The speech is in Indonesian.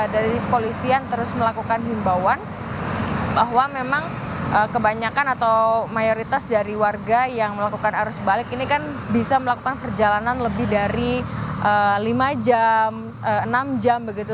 dari polisian terus melakukan himbauan bahwa memang kebanyakan atau mayoritas dari warga yang melakukan arus balik ini kan bisa melakukan perjalanan lebih dari enam jam begitu